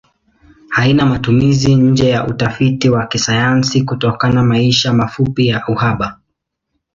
Haina matumizi nje ya utafiti wa kisayansi kutokana maisha mafupi na uhaba.